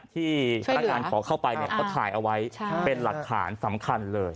ที่พนักงานขอเข้าไปเขาถ่ายเอาไว้เป็นหลักฐานสำคัญเลย